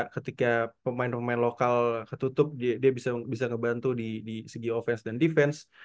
ketika pemain pemain lokal ketutup dia bisa ngebantu di segi offense dan defense